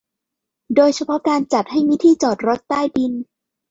โดยเฉพาะการจัดให้มีที่จอดรถใต้ดิน